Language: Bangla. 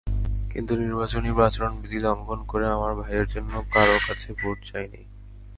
কিন্তু নির্বাচনী আচরণবিধি লঙ্ঘন করে আমার ভাইয়ের জন্য কারও কাছে ভোট চাইনি।